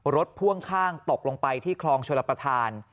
พ่วงข้างตกลงไปที่คลองชลประธาน